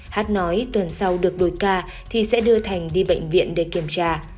hát nói tuần sau được đổi ca thì sẽ đưa thành đi bệnh viện để kiểm tra